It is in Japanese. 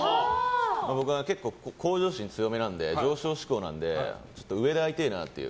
僕は結構向上心強めなので上昇志向なので上で会いてえなっていう。